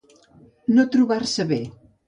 No trobar-se bé.